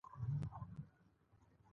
راکړې ورکړې په تدریجي ډول پرمختګ وکړ.